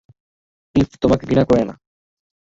Reef তোমাকে ঘৃণা করেনা।